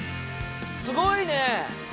すごいね！